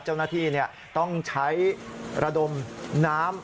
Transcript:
เจ้าหน้าที่ต้องใช้ระดมน้ำ